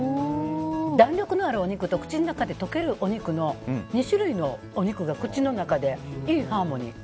弾力のあるお肉と口の中で溶けるお肉の２種類のお肉が口の中でいいハーモニー。